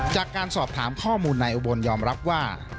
จากการสอบถามข้อมูลนายอุบลยอมรับว่า